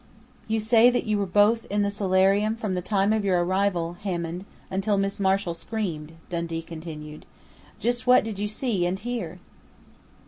"You say that you both were in the solarium from the time of your arrival, Hammond, until Mrs. Marshall screamed," Dundee continued. "Just what did you see and hear?"